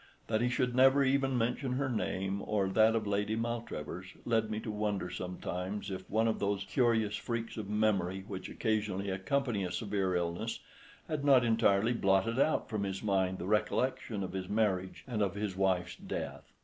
That he should never even mention her name, or that of Lady Maltravers, led me to wonder sometimes if one of those curious freaks of memory which occasionally accompany a severe illness had not entirely blotted out from his mind the recollection of his marriage and of his wife's death.